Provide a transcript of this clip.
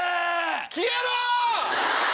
消えろ！